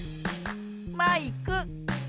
マイク。